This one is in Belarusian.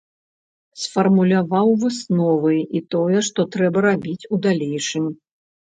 Сфармуляваў высновы і тое, што трэба рабіць у далейшым.